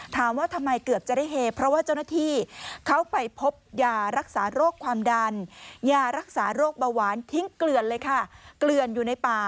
ทิ้งเกลือนเลยค่ะเกลือนอยู่ในป่า